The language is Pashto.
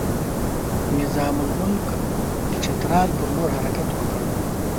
نظام الملک د چترال پر لور حرکت وکړ.